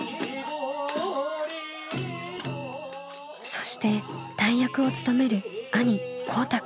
そして大役を務める兄こうたくん。